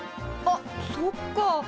あっそっか。